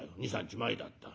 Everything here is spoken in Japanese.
２３日前だった。